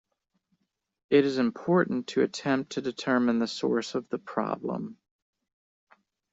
It is important to attempt to determine the source of the problem.